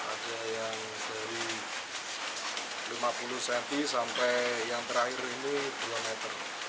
ada yang dari lima puluh cm sampai yang terakhir ini dua meter